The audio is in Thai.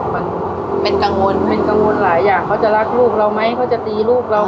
ภาษีนั้นตั้งแต่เกิดยังไม่เคยห่างกับลูกเหรอ